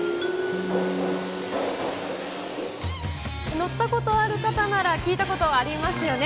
乗ったことある方なら、聴いたことありますよね。